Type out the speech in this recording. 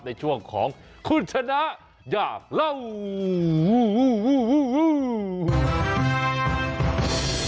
ในช่วงของคุณชนะอยากเล่า